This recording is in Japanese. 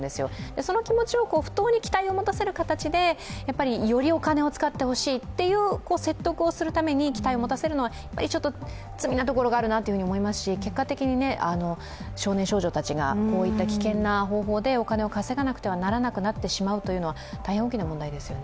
それを不当にもたせて、よりお金を使ってほしいという説得をするために期待を持たせるのは罪なところがあるなと思いますし、結果的に少年少女たちがこういった方法でお金を稼がなくてはならなくなってしまうというのは大変大きな問題ですよね。